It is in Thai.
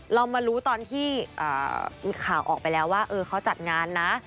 เรามารู้ตอนที่มีข่าวออกไปแล้วว่าเขาจัดงานนะ